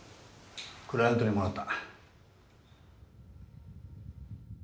クライアントにもらった。